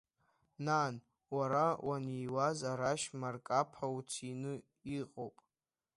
Нан, уара уаниуаз арашь марқаԥа уцины иҟоуп.